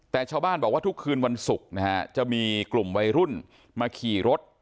แต่ชาวบ้านบอกว่าทุกคืนวันศุกร์นะฮะจะมีกลุ่มวัยรุ่นมาขี่รถ